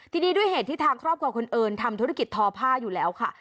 ทีนี้ด้วยเหตุที่ทางครอบครัวคนอื่นทำธุรกิจทอผ้าอยู่แล้วค่ะ